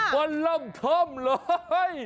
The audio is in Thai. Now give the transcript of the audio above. วันล่ำท่อมเลย